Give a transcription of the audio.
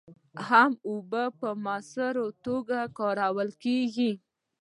هم اوبه په مؤثره توکه کارول کېږي.